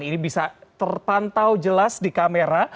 ini bisa terpantau jelas di kamera